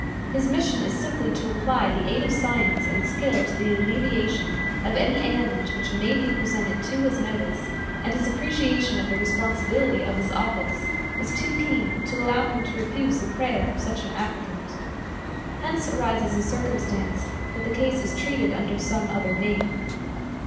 His mission is simply to apply the aid of science and skill to the alleviation of any ailment which may be presented to his notice, and his appreciation of the responsibility of his office is too keen to allow him to refuse the prayer of such an applicant. Hence arises the circumstance that the case is treated under some other name.